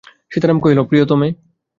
সীতারাম কহিল, প্রিয়তমে।